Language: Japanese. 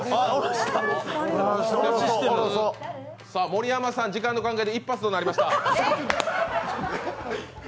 盛山さん、時間の関係で１発となりました。